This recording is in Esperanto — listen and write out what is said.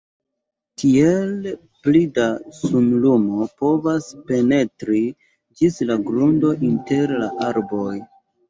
Tiel pli da sunlumo povas penetri ĝis la grundo inter la arboj.